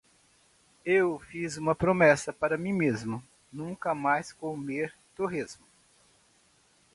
Fiz uma promessa para mim mesmo, nunca mais comer torresmo.